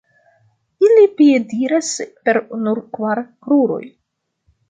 Ili piediras per nur kvar kruroj.